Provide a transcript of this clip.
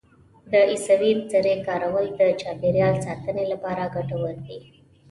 د عضوي سرې کارول د چاپیریال ساتنې لپاره ګټور دي.